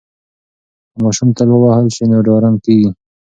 که ماشوم تل ووهل شي نو ډارن کیږي.